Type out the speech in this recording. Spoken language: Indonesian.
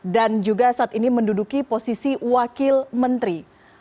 dan juga saat ini menduduki posisi wakil menteri